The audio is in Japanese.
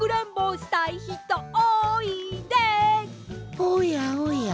おやおや。